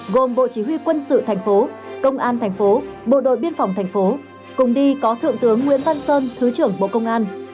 gồm bộ chỉ huy quân sự thành phố công an thành phố bộ đội biên phòng thành phố cùng đi có thượng tướng nguyễn văn sơn thứ trưởng bộ công an